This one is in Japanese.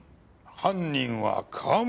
犯人は川村。